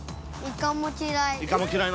◆イカも嫌い。